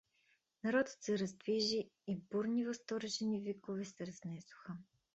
Народът се раздвижи и бурни възторжени викове се разнесоха.